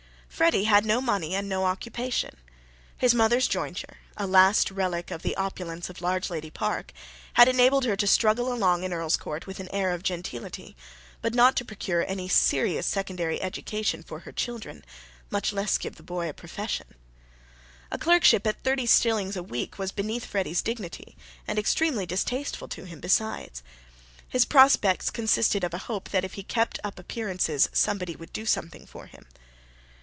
Freddy had no money and no occupation. His mother's jointure, a last relic of the opulence of Largelady Park, had enabled her to struggle along in Earlscourt with an air of gentility, but not to procure any serious secondary education for her children, much less give the boy a profession. A clerkship at thirty shillings a week was beneath Freddy's dignity, and extremely distasteful to him besides. His prospects consisted of a hope that if he kept up appearances somebody would do something for him.